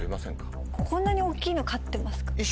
こんなに大きいの飼ってますか？